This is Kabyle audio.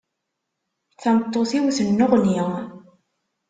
Tameṭṭut-iw tennuɣni.